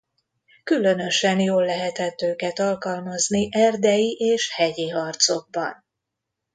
Különösen jól lehetett őket alkalmazni erdei és hegyi harcokban.